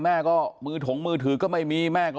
แม่ก็มือถงมือถือก็ไม่มีแม่ก็